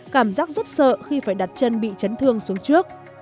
cảm giác rất sợ khi phải đặt chân bị chấn thương xuống trước